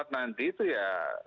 nanti itu ya